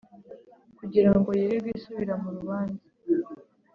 kugira ngo yirirwe isubira mu rubanza